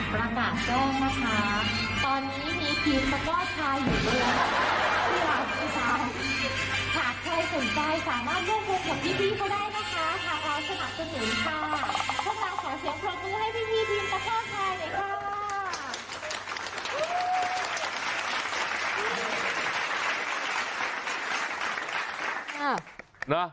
ถ้าใครสนใจสามารถยกโครงของพี่พี่ก็ได้นะคะขอรับสนับสนุนค่ะ